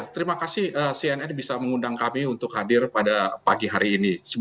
terima kasih cnn bisa mengundang kami untuk hadir pada pagi hari ini